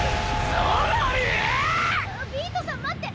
ビートさん待って！